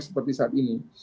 seperti saat ini